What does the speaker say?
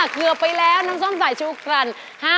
เกือบไปแล้วน้ำส้มสายชูกรัน